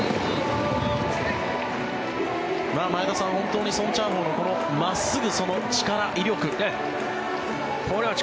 前田さん、本当にソン・チャーホウのこの真っすぐ、その力、威力。